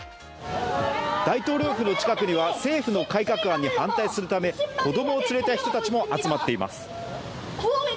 大統領府の近くには政府の改革案に反対するため子供を連れた人たちも集まっています。